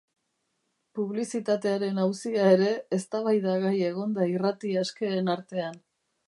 Publizitatearen auzia ere eztabaidagai egon da irrati askeen artean.